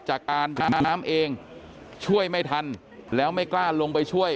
การท่าน้ำเองช่วยไม่ทันแล้วไม่กล้าลงไปช่วย